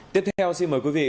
tiếp theo xin mời quý vị